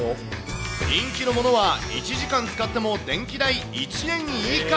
人気のものは１時間使っても電気代１円以下。